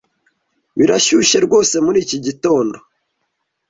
Birashyushye rwose muri iki gitondo.